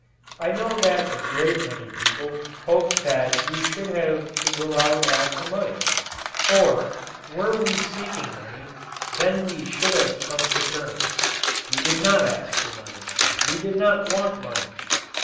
I know that a great many people hoped that we should have to go out after money for, were we seeking money, then we should have to come to terms. We did not ask for money. We did not want money.